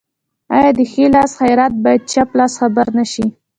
آیا د ښي لاس خیرات باید چپ لاس خبر نشي؟